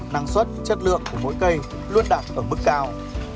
năng suất chất lượng của mỗi cây luôn đạt ở mức cao